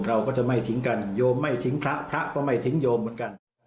เราก็จะไม่ทิ้งกันโยมไม่ทิ้งพระพระก็ไม่ทิ้งโยมเหมือนกัน